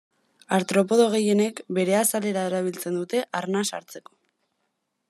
Artropodo gehienek bere azalera erabiltzen dute arnas hartzeko.